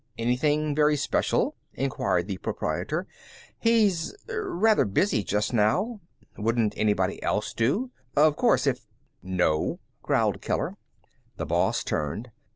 "Anything very special?" inquired the proprietor. "He's rather busy just now. Wouldn't anybody else do? Of course, if " "No," growled Keller. The boss turned.